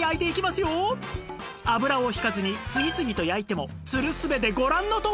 油をひかずに次々と焼いてもつるすべでご覧のとおり！